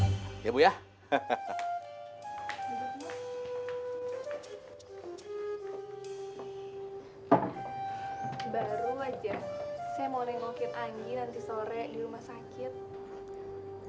baru aja saya mau nengokin angin nanti sore di rumah sakit